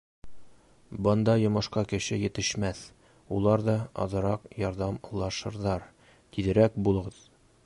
Бында йомошҡа кеше етешмәҫ, улар ҙа аҙыраҡ ярҙамлашырҙар, тиҙерәк булығыҙ.